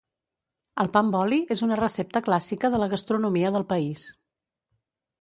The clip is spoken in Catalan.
El pa amb oli és una recepta clàssica de la gastronomia del país.